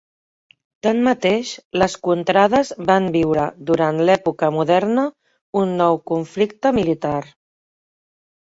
Tanmateix, les contrades van viure durant l’Època Moderna un nou conflicte militar.